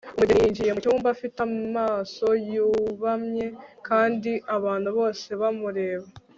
Umugeni yinjiye mucyumba afite amaso yubamye kandi abantu bose bamureba